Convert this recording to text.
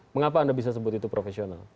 mengapa anda bisa sebut itu profesional